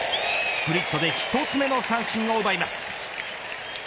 スプリットで１つ目の三振を奪います。